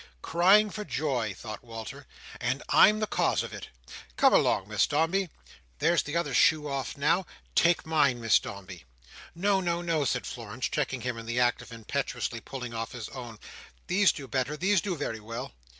"Crying for joy!" thought Walter, "and I'm the cause of it! Come along, Miss Dombey. There's the other shoe off now! Take mine, Miss Dombey." "No, no, no," said Florence, checking him in the act of impetuously pulling off his own. "These do better. These do very well."